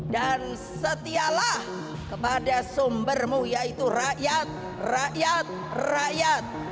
dan setialah kepada sumbermu yaitu rakyat rakyat rakyat